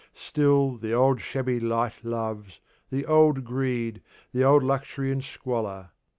Still the old shabby light loves, the old greed, the old luxury and squalor.